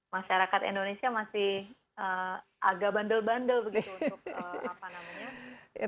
masyarakat indonesia masih agak bandel bandel begitu untuk apa namanya